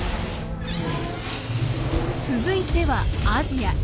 続いてはアジア。